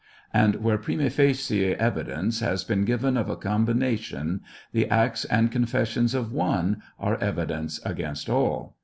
And where prima facie evidence has been given of a combination, the acts and confessions of one are evidence against all.